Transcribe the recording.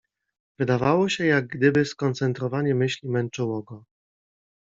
Wydawało się, jak gdyby skoncentrowanie myśli męczyło go.